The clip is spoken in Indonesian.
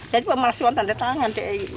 jadi pemalsuan tanda tangan